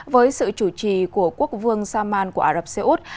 với sự chủ trì của quốc vương saman của ả rập xê út